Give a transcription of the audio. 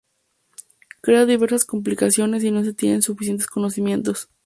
Crea diversas complicaciones si no se tienen suficientes conocimientos.